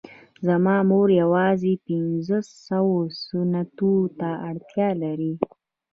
زما مور يوازې پنځوسو سنټو ته اړتيا لري.